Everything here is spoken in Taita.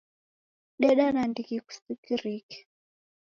Deda nandighi kusikirike.